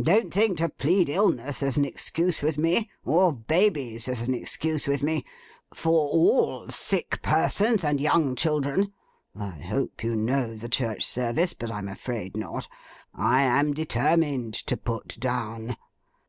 Don't think to plead illness as an excuse with me; or babies as an excuse with me; for all sick persons and young children (I hope you know the church service, but I'm afraid not) I am determined to Put Down.